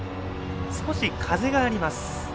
少し風があります。